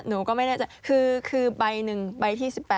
หนูก็ไม่แน่ใจคือใบหนึ่งใบที่๑๘